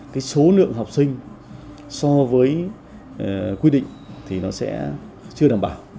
cái số lượng học sinh so với quy định thì nó sẽ chưa đảm bảo